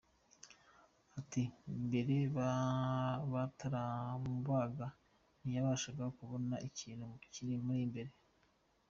Ati “ Mbere bataramubaga, ntiyabashaga kubona ikintu kimuri imbere.